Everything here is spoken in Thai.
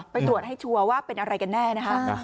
ไปตรวจให้ชัวร์ว่าเป็นอะไรกันแน่นะคะ